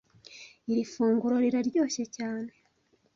Iri funguro riraryoshye cyane